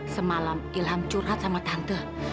semalam ilham curhat sama tante